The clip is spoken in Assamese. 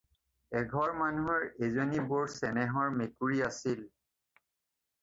এঘৰ মানুহৰ এজনী বৰ চেনেহৰ মেকুৰী আছিল।